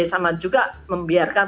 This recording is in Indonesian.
sama juga membiarkan